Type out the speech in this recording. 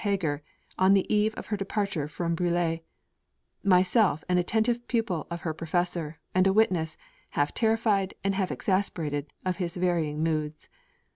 Heger, on the eve of her departure from Bruxelles, myself an attentive pupil of her Professor, and a witness, half terrified, and half exasperated, of his varying moods.